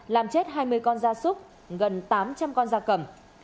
làm chết hai mươi con da súc gần tám trăm linh con da cầm